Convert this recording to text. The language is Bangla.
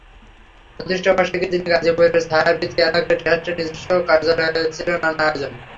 প্রতিষ্ঠাবার্ষিকীর দিনে গাজীপুরের ছায়াবীথি এলাকায় ট্রাস্টের নিজস্ব কার্যালয়ে ছিল নানা আয়োজন।